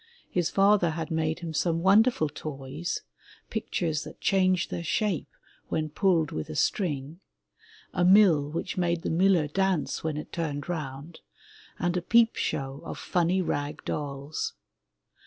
His father had made him some wonderful toys, pictures that changed their shape when pulled with a string, a mill which made the miller dance when it turned around, and a peepshow of funny rag dolls.